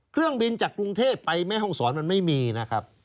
เครื่องบินจากกรุงเทพไปแม่ห้องศรมันไม่มีนะครับ